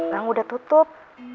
bang udah tutup